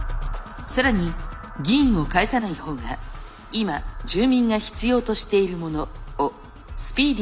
更に議員を介さない方が今住民が必要としているものをスピーディーに実現できます。